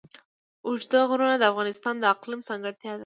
اوږده غرونه د افغانستان د اقلیم ځانګړتیا ده.